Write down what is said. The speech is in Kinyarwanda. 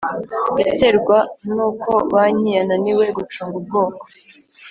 Yaterwa n uko banki yananiwe gucunga ubwoko